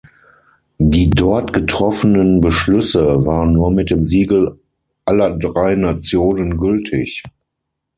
Die dort getroffenen Beschlüsse waren nur mit dem Siegel aller drei Nationen gültig.